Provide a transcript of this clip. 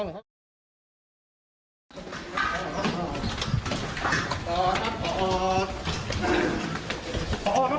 ขอโทษนะครับขอโทษนะครับ